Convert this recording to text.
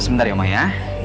sebentar ya omah ya